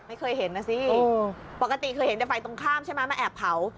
ไม่เคยเห็นนะสิปกติเคยเห็นแต่ไฟตรงข้ามใช่ไหมมาแอบเผา